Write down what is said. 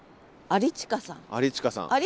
有近さん。